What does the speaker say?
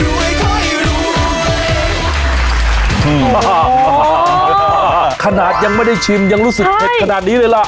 โอ้โฮโอ้โฮขนาดยังไม่ได้ชิมยังรู้สึกเผ็ดขนาดนี้เลยแหละ